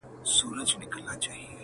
ترېنه جوړ امېل د غاړي د لیلا کړو،